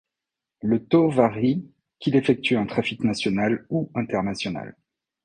Le taux varie qu'il effectue un trafic national ou international.